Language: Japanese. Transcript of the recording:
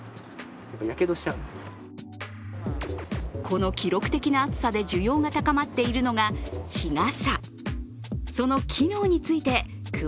この記録的な暑さで需要が高まっているのが日傘。